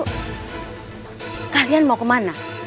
lalu kalian mau kemana